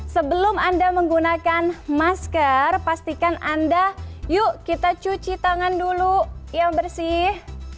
sebelum anda menggunakan masker pastikan anda yuk kita cuci tangan dulu yang bersih